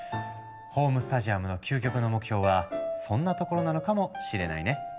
ホームスタジアムの究極の目標はそんなところなのかもしれないね。